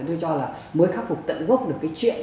tôi cho là mới khắc phục tận gốc được cái chuyện